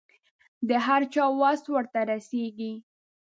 د هر چا وس ورته رسېږي.